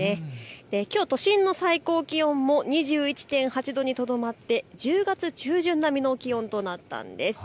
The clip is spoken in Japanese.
きょう都心の最高気温も２１．８度にとどまって１０月中旬並みの気温となったんです。